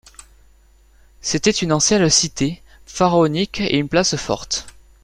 C'était une ancienne cité pharaonique et une place forte.